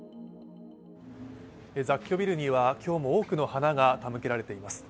雑居ビルには今日も多くの花が手向けられています。